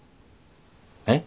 えっ？